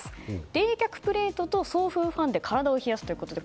冷却プレートと送風ファンで体を冷やすということで。